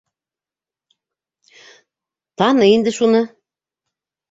Таны инде шуны!